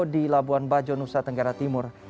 di labuan bajo nusa tenggara timur